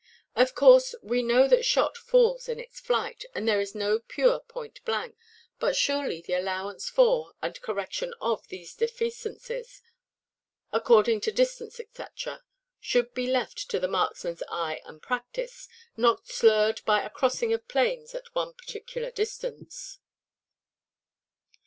Of course we know that shot falls in its flight, and there is no pure point–blank; but surely the allowance for, and correction of, these defeasances, according to distance, &c., should be left to the marksmanʼs eye and practice, not slurred by a crossing of planes at one particular distance.